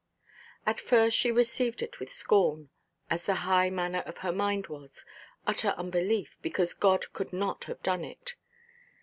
At first she received it with scorn—as the high manner of her mind was—utter unbelief, because God could not have done it.